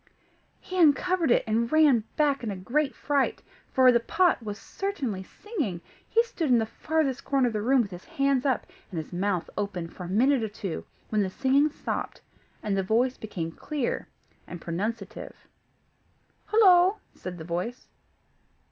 He uncovered it, and ran back in a great fright, for the pot was certainly singing! He stood in the farthest corner of the room, with his hands up, and his mouth open, for a minute or two, when the singing stopped, and the voice became clear and pronunciative. "Hollo!" said the voice.